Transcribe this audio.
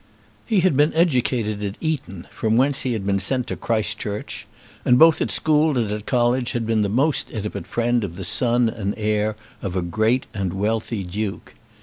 He had been educated at Eton, from whence he had been sent to Christ Church; and both at school and at college had been the most intimate friend of the son and heir of a great and wealthy duke.